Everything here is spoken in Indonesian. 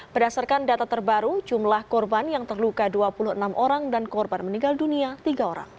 berdasarkan data terbaru jumlah korban yang terluka dua puluh enam orang dan korban meninggal dunia tiga orang